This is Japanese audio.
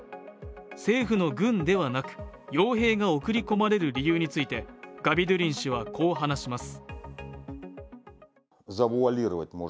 政府の軍ではなく傭兵が送り込まれる理由についてガビドゥリン氏はこう話します